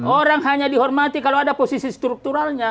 orang hanya dihormati kalau ada posisi strukturalnya